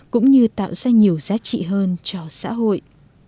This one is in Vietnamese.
cũng như tạo ra nhiều giá trị hơn cho xã hội